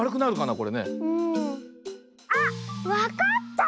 あっわかった！